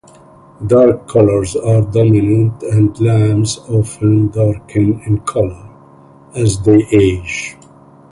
Dark colors are dominant and lambs often darken in color as they age.